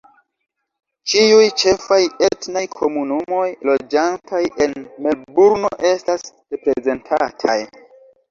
Ĉiuj ĉefaj etnaj komunumoj loĝantaj en Melburno estas reprezentataj.